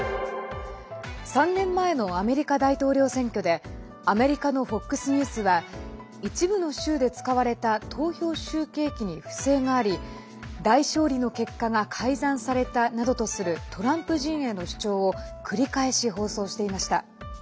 ３年前にアメリカの大統領選挙でアメリカのＦＯＸニュースは一部の州で使われた投票集計機に不正があり大勝利の結果が改ざんされたなどとするトランプ陣営の主張を繰り返し放送していました。